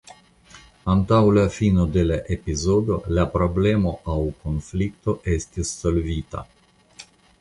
Antaŭ la fino de la epizodo la problemo aŭ konflikto estis solvita.